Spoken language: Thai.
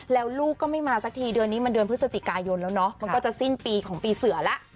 แล้วลูกก็ไม่มาสักทีเดือนนี้มันเดือนพฤศจิกายนแล้วเนาะมันก็จะสิ้นปีของปีเสือแล้ว